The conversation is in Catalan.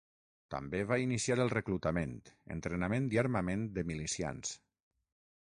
També va iniciar el reclutament, entrenament i armament de milicians.